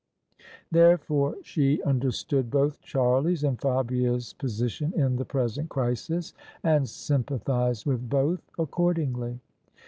Therefore she under stood both Charlie's and Fabia's position in the present crisis, and sympathised with both accordingly.